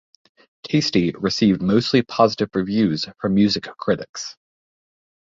"Tasty" received mostly positive reviews from music critics.